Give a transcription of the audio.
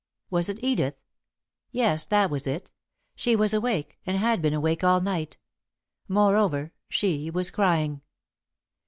Was it Edith? Yes, that was it. She was awake, and had been awake all night. Moreover, she was crying.